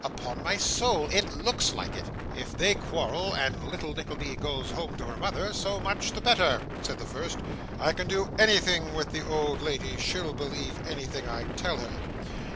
Upon my soul it looks like it.' 'If they quarrel and little Nickleby goes home to her mother, so much the better,' said the first. 'I can do anything with the old lady. She'll believe anything I tell her.